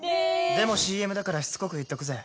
でもＣＭだからしつこく言っとくぜ！